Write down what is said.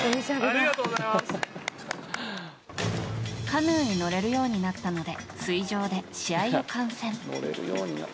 カヌーに乗れるようになったので水上で試合を観戦。